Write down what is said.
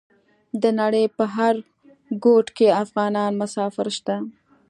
د نړۍ په هر ګوټ کې افغانان مسافر شته.